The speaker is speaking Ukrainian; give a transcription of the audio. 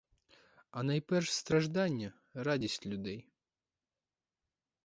А найперш страждання, радість людей!